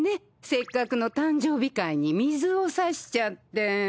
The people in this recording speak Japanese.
せっかくの誕生日会に水をさしちゃって。